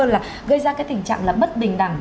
là gây ra cái tình trạng là bất bình đẳng